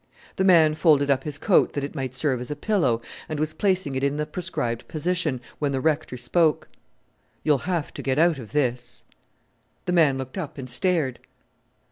The man folded up his coat that it might serve as a pillow, and was placing it in the prescribed position, when the Rector spoke. "You'll have to get out of this." The man looked up and stared.